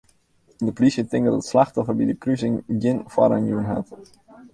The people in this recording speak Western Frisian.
De plysje tinkt dat it slachtoffer by de krusing gjin foarrang jûn hat.